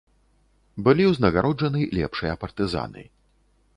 Былі ўзнагароджаны лепшыя партызаны.